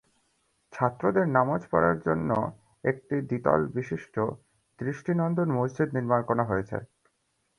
ছাত্রদের নামাজ পড়ার জন্য একটি দ্বিতল বিশিষ্ট দৃষ্টিনন্দন মসজিদ নির্মাণ করা হয়েছে।